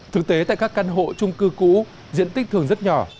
thực tế tại các căn hộ trung cư cũ diện tích thường rất nhỏ